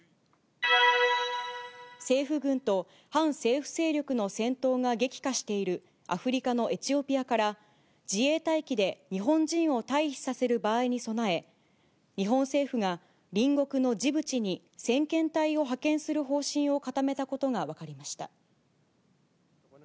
政府軍と反政府勢力の戦闘が激化している、アフリカのエチオピアから、自衛隊機で日本人を退避させる場合に備え、日本政府が隣国のジブチに、先遣隊を派遣する方針を固めたことが分かりました。